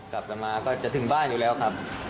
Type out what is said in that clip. กลับมาก็จะถึงบ้านอยู่แล้วครับ